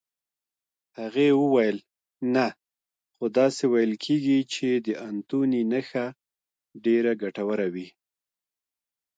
هغې وویل: نه، خو داسې ویل کېږي چې د انتوني نخښه ډېره ګټوره وي.